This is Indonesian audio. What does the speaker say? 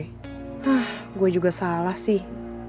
hah gue juga salah sih